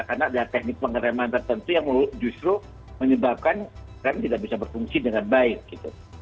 karena ada teknik pengereman tertentu yang justru menyebabkan rem tidak bisa berfungsi dengan baik gitu